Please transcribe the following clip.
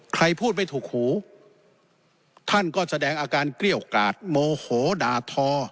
ใครพูดไม่ถูกหูท่านก็แสดงอาการเกลี้ยวกาดโมโหด่าทอ